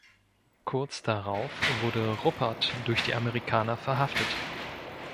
Kurz darauf wurde Ruppert durch die Amerikaner verhaftet.